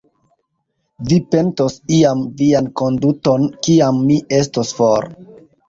Vi pentos iam vian konduton, kiam mi estos for!